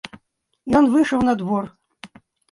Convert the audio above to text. Ён выйшаў на двор.